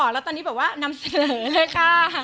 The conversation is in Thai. แล้วตอนนี้แบบว่านำเสนอเลยค่ะ